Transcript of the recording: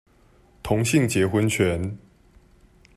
同性結婚權